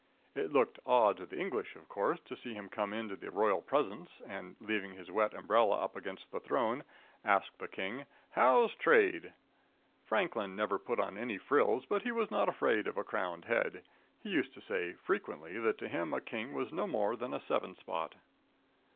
It looked odd to the English, of course, to see him come into the royal presence, and, leaving his wet umbrella up against the throne, ask the king: "How's trade?" Franklin never put on any frills, but he was not afraid of a crowned head. He used to say, frequently, that to him a king was no more than a seven spot.